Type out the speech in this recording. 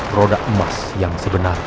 roda emas yang sebenarnya